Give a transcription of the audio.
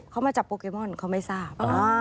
เขามาจับโปเกมอนเขาไม่ทราบ